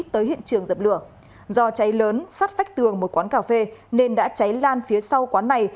tới hiện trường dập lửa do cháy lớn sắt vách tường một quán cà phê nên đã cháy lan phía sau quán này